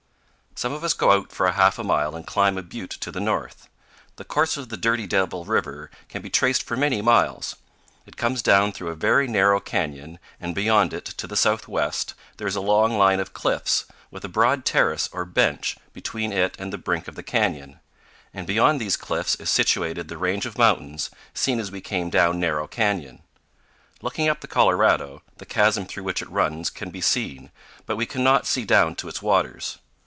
Some of us go out for half a mile and climb a butte to the north. The course of the Dirty Devil River can be traced for many miles. It comes down through a very narrow canyon, and beyond it, to the southwest, there is a long line of cliffs, with a broad terrace, or bench, between it and the brink of the canyon, and beyond these cliffs is situated the range of mountains seen as we came down Narrow Canyon. Looking up the Colorado, the chasm through which it runs can be seen, but we cannot see down to its waters.